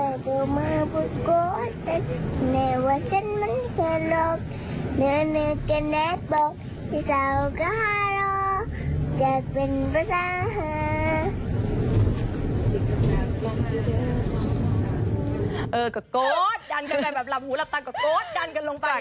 เออก็โก๊ดกันกันแบบหูหลับตาก็โก๊ดกันกันลงไป